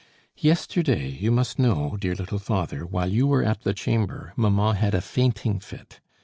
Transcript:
"Yesterday, you must know, dear little father, while you were at the Chamber, mamma had a fainting fit.